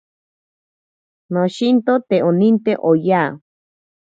Noshinto te oninte oya.